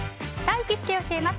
行きつけ教えます！